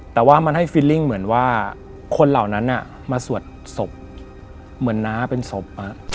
แต่ว่ามันให้ฟิลลิ่งเหมือนว่าคนเหล่านั้นมาสวดศพเหมือนน้าเป็นศพ